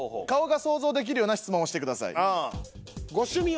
顔が想像できるような質問をしてください。